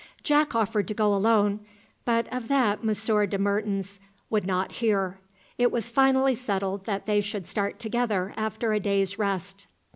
Jack offered to go alone, but of that Monsieur de Mertens would not hear. It was finally settled that they should start together after a day's rest.